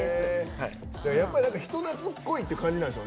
やっぱり人なつっこいって感じなんでしょう。